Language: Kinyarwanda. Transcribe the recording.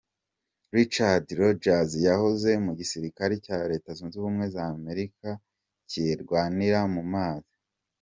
Richard Rojas yahoze mu gisirikare cya Leta zunze ubumwe z’ Amerika kirwanira mu mazi.